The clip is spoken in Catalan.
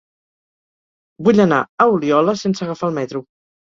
Vull anar a Oliola sense agafar el metro.